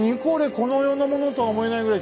この世のものとは思えないぐらいきれいですね